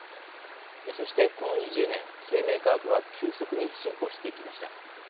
そしてこの２０年生命科学は急速に進歩してきました。